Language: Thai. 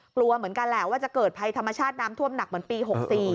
กลัวเหมือนกันแหละว่าจะเกิดภัยธรรมชาติน้ำท่วมหนักเหมือนปี๖๔